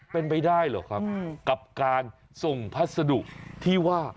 เป็นไปได้เหรอครับกับการส่งพัสดุที่ว่า